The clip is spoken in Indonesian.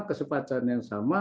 kesepakatan yang sama